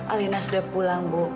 alina sudah pulang bu